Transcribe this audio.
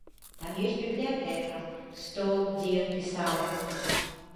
Там ёсць бібліятэка, стол, дзе ён пісаў.